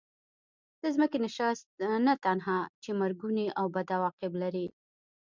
د ځمکې نشست نه تنها چې مرګوني او بد عواقب لري.